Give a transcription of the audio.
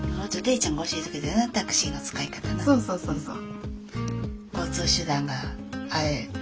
そうそうそうそう。